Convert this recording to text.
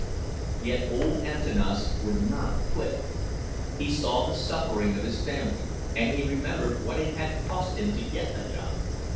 Yet old Antanas would not quit; he saw the suffering of his family, and he remembered what it had cost him to get a job.